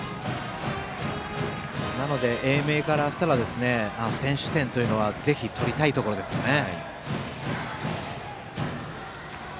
なので英明からしたら先取点というのはぜひ取りたいところですね。